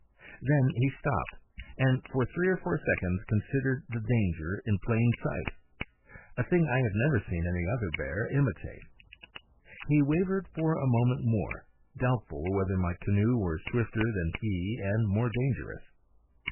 Then he stopped, and for three or four seconds considered the danger in plain sight a thing I have never seen any other bear imitate. He wavered for a moment more, doubtful whether my canoe were swifter than he and more dangerous.